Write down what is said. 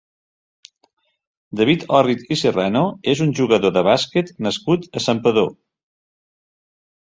David Òrrit i Serrano és un jugador de bàsquet nascut a Santpedor.